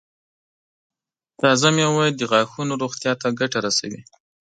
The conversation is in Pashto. تازه مېوه د غاښونو روغتیا ته ګټه رسوي.